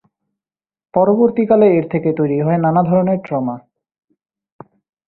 পরবর্তীকালে এর থেকে তৈরি হয় নানা ধরনের ট্রমা।